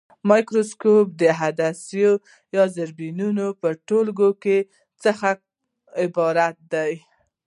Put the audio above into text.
مایکروسکوپ د عدسیو یا زرې بیني د ټولګې څخه عبارت دی.